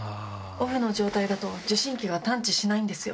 オフの状態だと受信機が探知しないんですよ。